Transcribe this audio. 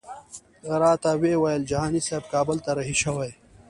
راته ویې ویل جهاني صاحب کابل ته رهي شوی.